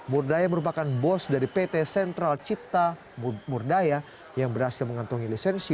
murdaya merupakan bos dari pt sentral cipta murdaya yang berhasil mengantungi lisensi